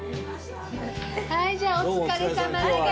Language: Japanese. はいじゃあお疲れさまでございます！